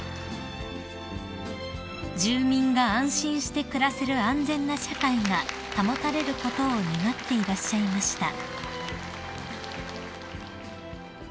［住民が安心して暮らせる安全な社会が保たれることを願っていらっしゃいました］